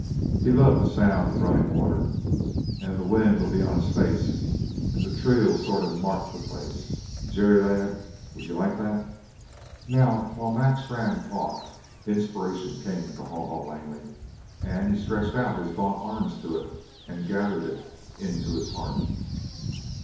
He loved the sound of runnin' water; and the wind'll be on his face; and the tree'll sort of mark the place. Jerry, lad, would ye like that?" Now, while Mac Strann talked, inspiration came to Haw Haw Langley, and he stretched out his gaunt arms to it and gathered it in to his heart.